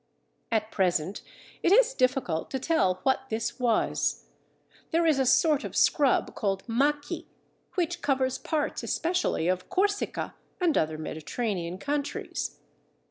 At present it is difficult to tell what this was. There is a sort of scrub called Maqui which covers parts especially of Corsica and other Mediterranean countries.